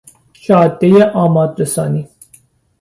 جادهی آماد رسانی